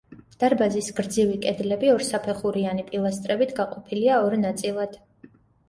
დარბაზის გრძივი კედლები ორსაფეხურიანი პილასტრებით გაყოფილია ორ ნაწილად.